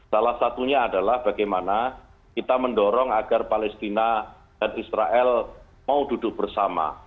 salah satunya adalah bagaimana kita mendorong agar palestina dan israel mau duduk bersama